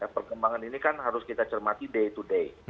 perkembangan ini kan harus kita cermati day to day